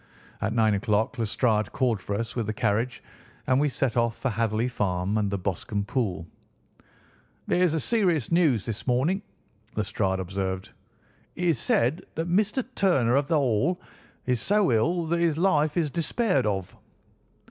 At nine o'clock Lestrade called for us with the carriage, and we set off for Hatherley Farm and the Boscombe Pool. "There is serious news this morning," Lestrade observed. "It is said that Mr. Turner, of the Hall, is so ill that his life is despaired of."